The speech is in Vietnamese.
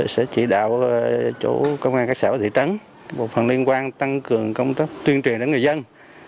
sẽ chỉ đạo chủ công an các xã thị trắng một phần liên quan tăng cường công tác tuyên truyền đến người dân